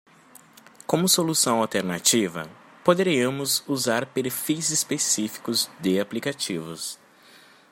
Como solução alternativa?, poderíamos usar perfis específicos de aplicativos.